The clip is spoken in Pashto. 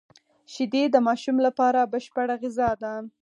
شیدې د ماشوم لپاره بشپړه غذا ده